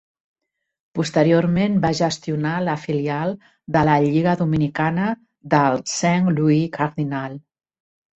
Posteriorment va gestionar la filial de la Lliga Dominicana dels Saint Louis Cardinals.